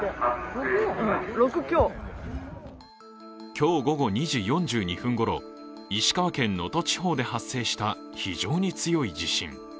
今日午後２時４２分ごろ石川県能登地方で発生した非常に強い地震。